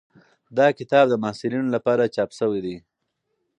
دا کتاب د محصلینو لپاره چاپ شوی دی.